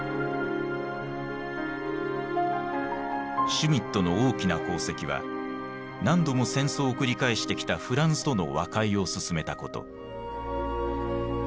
シュミットの大きな功績は何度も戦争を繰り返してきたフランスとの和解を進めたこと。